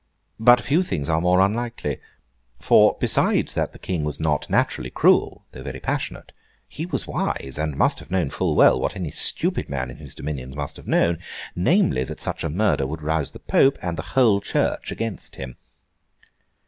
But few things are more unlikely; for, besides that the King was not naturally cruel (though very passionate), he was wise, and must have known full well what any stupid man in his dominions must have known, namely, that such a murder would rouse the Pope and the whole Church against him.